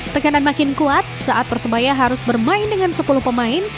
tekanan makin kuat saat persebaya harus bermain dengan sepuluh pemain